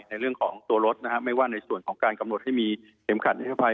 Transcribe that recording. ในเรื่องของตัวรถนะฮะไม่ว่าในส่วนของการกำหนดให้มีเข็มขัดนิรภัย